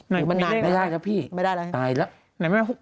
หรือมันนานไม่ได้แล้วพี่ตายแล้วไม่ได้แล้ว